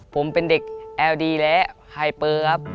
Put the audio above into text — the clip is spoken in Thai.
ผมเป็นเด็กแอลดีและไฮเปอร์ครับ